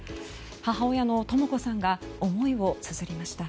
母親のとも子さんが思いをつづりました。